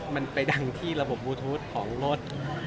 มันไปดังที่ระบบบลูทูธของรถ